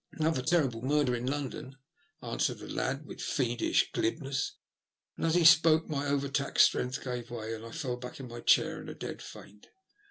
*' 'Nother terrible murder in London," answered the lad with fiendish glibness ; and as he spoke my over taxed strength gave way, and I fell back in my chair in a dead faint.